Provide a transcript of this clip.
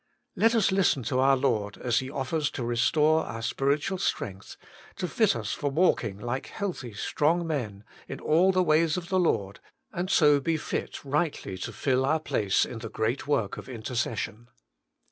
Let us listen to our Lord as He offers to restore our spiritual strength, to fit us for walking like healthy, strong men in all the ways of the Lord, and so be fit rightly to fill our place in the great work of intercession.